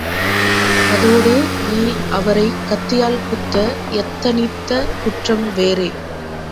அதோடு, நீ அவரைக் கத்தியால் குத்த யத்தனித்த குற்றம் வேறே!